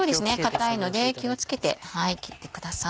硬いので気を付けて切ってください。